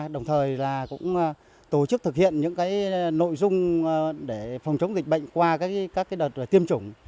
đồng thời cũng tổ chức thực hiện những nội dung để phòng chống dịch bệnh qua các đợt tiêm chủng